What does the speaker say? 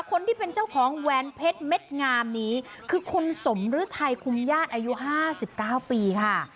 คนที่เป็นเจ้าของแหวนเพชรเม็ดงามนี้คือคุณสมฤทัยคุมญาติอายุ๕๙ปีค่ะ